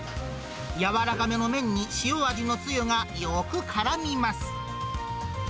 軟らかめの麺に塩味のつゆがよくからみます。